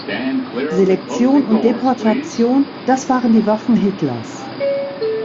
Selektion und Deportation das waren die Waffen Hitlers.